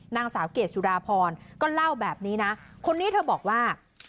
นางสาวเกรดสุดาพรก็เล่าแบบนี้นะคนนี้เธอบอกว่า